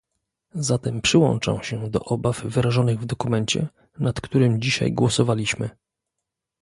Zatem przyłączam się do obaw wyrażonych w dokumencie, nad którym dzisiaj głosowaliśmy